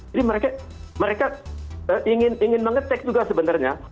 jadi mereka ingin mengetek juga sebenarnya